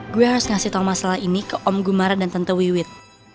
gue harus ngasih tau masalah ini ke om gumarat dan tante wiwit